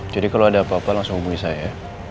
jadi kalau ada apa apa langsung hubungi saya